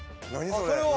それは？